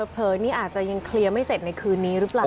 เผลอนี่อาจจะยังเคลียร์ไม่เสร็จในคืนนี้หรือเปล่า